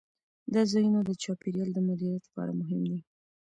دا ځایونه د چاپیریال د مدیریت لپاره مهم دي.